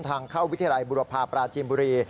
ทางเข้าวิทยาลัยบุรพาปราจีนบุรี